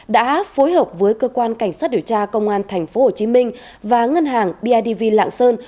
đã phối hợp với cơ quan cảnh sát điều tra công an tp hcm và ngân hàng bidv lạng sơn